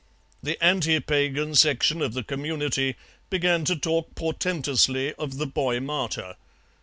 The anti Pagan section of the community began to talk portentously of the boy martyr.